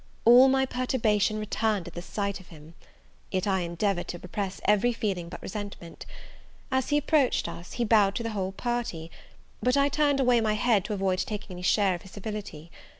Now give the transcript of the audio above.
All my perturbation returned at the sight of him! yet I endeavoured to repress every feeling but resentment. As he approached us, he bowed to the whole party; but I turned away my head to avoid taking any share in his civility.